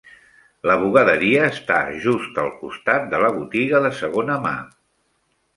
La bugaderia està just al costat de la botiga de segona mà.